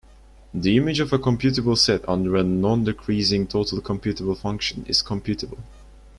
The image of a computable set under a nondecreasing total computable function is computable.